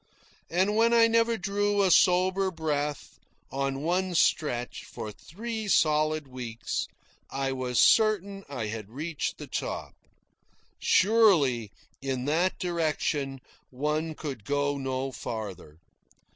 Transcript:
And when I never drew a sober breath, on one stretch, for three solid weeks, I was certain I had reached the top. Surely, in that direction, one could go no farther.